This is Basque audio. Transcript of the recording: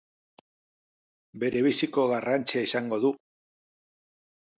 Berebiziko garrantzia izango du!